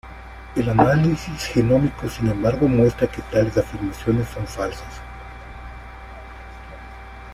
El análisis genómico, sin embargo, muestra que tales afirmaciones son falsas.